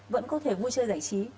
vẫn có thể vui chơi giải trí